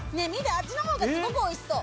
あっちの方がすごく美味しそう。